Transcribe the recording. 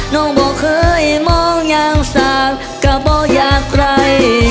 น้องบอกเคยมองอย่างสาดก็บ่อยากไกล